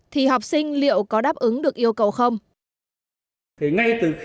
thì học sinh liệu có đáp ứng được yêu cầu không